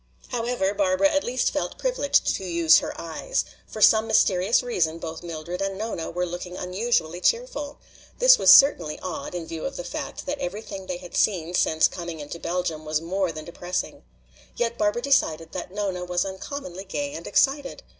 However, Barbara at least felt privileged to use her eyes. For some mysterious reason both Mildred and Nona were looking unusually cheerful. This was certainly odd in view of the fact that everything they had seen since coming into Belgium was more than depressing. Yet Barbara decided that Nona was uncommonly gay and excited.